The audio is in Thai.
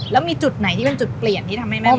แล้วมีจุดไหนที่เป็นจุดเปลี่ยนที่ทำให้แม่